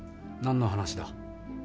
何の話だ？